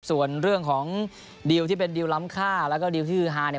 ส่วนเรื่องของดิวที่เป็นดิวล้ำค่าแล้วก็ดิวที่ฮือฮา